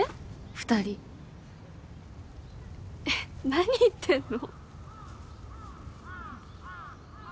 二人えっ何言ってんの？